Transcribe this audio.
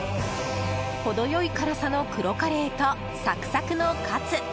程良い辛さの黒カレーとサクサクのカツ。